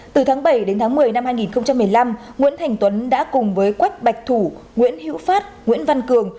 từ tháng bảy đến tháng một mươi năm hai nghìn một mươi năm nguyễn thành tuấn đã cùng với quách bạch thủ nguyễn hữu phát nguyễn văn cường